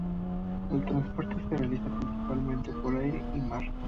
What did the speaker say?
El transporte se realiza principalmente por aire y mar.